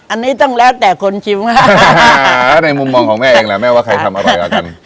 อันนี้ต้องแล้วแต่คนชิมค่ะในมุมมองของแม่เองแหละแม่ว่าใครทำอร่อยกว่ากัน